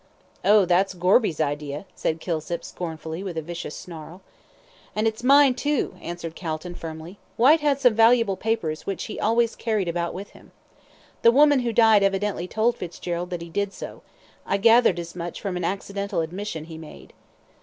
"Oh, that's Gorby's idea," said Kilsip, scornfully, with a vicious snarl. "And it's mine too," answered Calton, firmly. "Whyte had some valuable papers, which he always carried about with him. The woman who died evidently told Fitzgerald that he did so; I gathered as much from an accidental admission he made."